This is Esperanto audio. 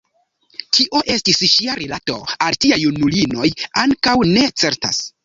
Kio estis ŝia rilato al tiaj junulinoj, ankaŭ ne certas.